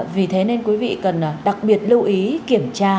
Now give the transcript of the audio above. vì thế nên quý vị cần đặc biệt lưu ý kiểm tra